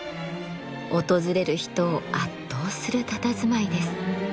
訪れる人を圧倒するたたずまいです。